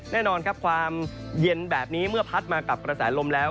แน่นอนครับความเย็นแบบนี้เมื่อพัดมากับกระแสลมแล้ว